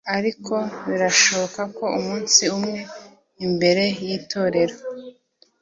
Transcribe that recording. Ariko birashoboka ko umunsi umwe imbere yItorero